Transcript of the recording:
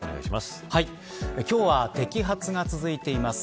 今日は摘発が続いています。